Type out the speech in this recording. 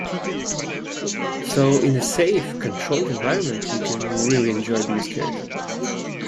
So in a safe, controlled environment, you can really enjoy being scared.